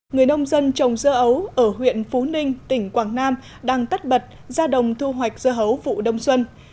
người nông dân trồng dưa ấu ở huyện phú ninh tỉnh quảng nam đang tất bật ra đồng thu hoạch dưa hấu vụ đông xuân